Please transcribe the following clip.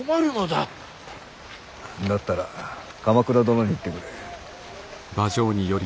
だったら鎌倉殿に言ってくれ。